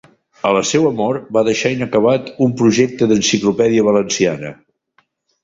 A la seua mort va deixar inacabat un projecte d'Enciclopèdia Valenciana.